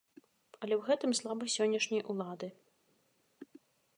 Але ў гэтым слабасць сённяшняй улады.